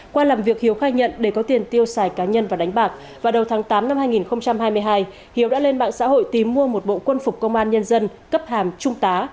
qua làm việc hiếu khai nhận để có tiền tiêu xài cá nhân và đánh bạc vào đầu tháng tám năm hai nghìn hai mươi hai hiếu đã lên mạng xã hội tìm mua một bộ quân phục công an nhân dân cấp hàm trung tá